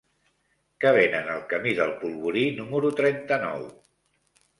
Què venen al camí del Polvorí número trenta-nou?